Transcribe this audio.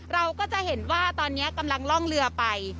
เราก็จะเห็นว่าตอนนี้กำลังล่องเรือไป